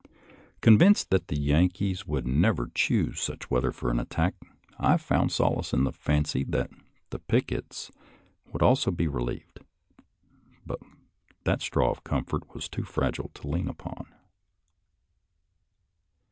Convinced that the Yankees would never HUMOROUS INCIDENTS 25 choose such weather for an attack, I found solace in the fancy that the pickets would also be re lieved, but that straw of comfort was too fragile to lean upon.